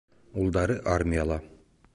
Улдары армияла.